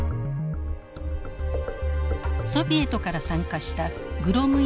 ソビエトから参加したグロムイコ大使。